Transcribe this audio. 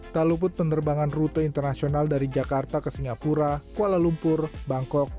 tak luput penerbangan rute internasional dari jakarta ke singapura kuala lumpur bangkok